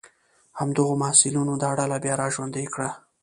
همدغو محصلینو دا ډله بیا را ژوندۍ کړه.